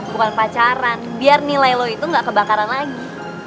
bukan pacaran biar nilai lo itu nggak kebakaran lagi